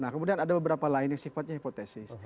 nah kemudian ada beberapa lain yang sifatnya hipotesis